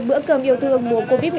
bữa cơm yêu thương mùa covid một mươi chín